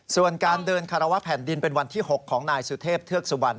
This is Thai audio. ส่วนการเดินคารวะแผ่นดินเป็นวันที่๖ของนายสุเทพเทือกสุบัน